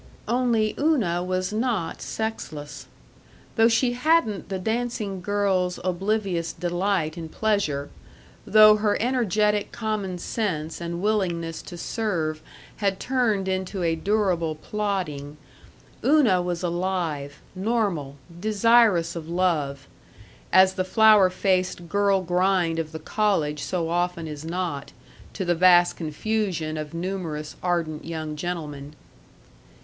Only Una was not sexless. Though she hadn't the dancing girl's oblivious delight in pleasure, though her energetic common sense and willingness to serve had turned into a durable plodding, Una was alive, normal, desirous of love, as the flower faced girl grind of the college so often is not, to the vast confusion of numerous ardent young gentlemen.